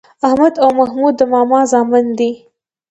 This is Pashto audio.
احمد او محمود د ماما زامن دي.